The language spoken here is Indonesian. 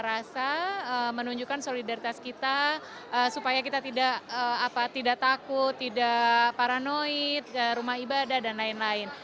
rasa menunjukkan solidaritas kita supaya kita tidak takut tidak paranoid rumah ibadah dan lain lain